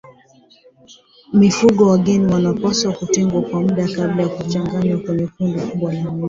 Mifugo wageni wanapaswa kutengwa kwa muda kabla ya kuchanganywa kwenye kundi kubwa la wanyama